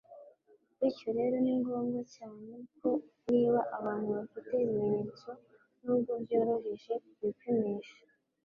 bityo rero ni ngombwa cyane ko niba abantu bafite ibimenyetso, nubwo byoroheje, bipimisha.